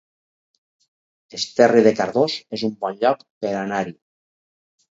Esterri de Cardós es un bon lloc per anar-hi